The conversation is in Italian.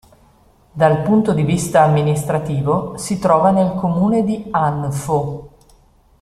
Dal punto di vista amministrativo si trova nel comune di Anfo.